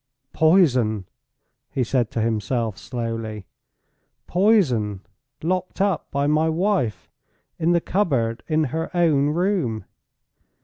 "Poison!" he said to himself, slowly. "Poison locked up by my wife in the cupboard in her own room."